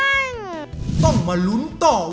อยากเป็นคุณหมอเป็นพยาบาลอยากเป็นครู